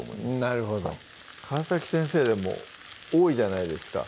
なるほど川先生でも多いじゃないですか